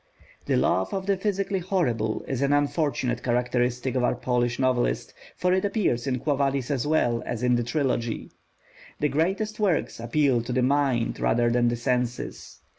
The love of the physically horrible is an unfortunate characteristic of our Polish novelist, for it appears in Quo Vadis as well as in the Trilogy. The greatest works appeal to the mind rather than the senses.